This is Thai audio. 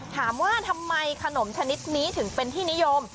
ถามว่าทำไมขนมชนิดนี้ถึงเป็นที่นิยม